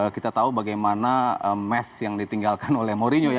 kita tahu bagaimana mes yang ditinggalkan oleh mourinho ya